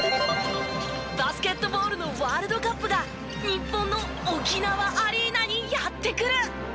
バスケットボールのワールドカップが日本の沖縄アリーナにやって来る！